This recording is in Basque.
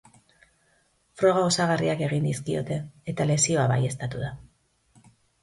Froga osagarriak egin dizkiote, eta lesioa baieztatu da.